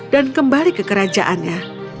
dan kembali ke kerajaannya